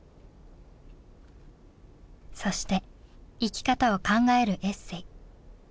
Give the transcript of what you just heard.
そして生き方を考えるエッセイ。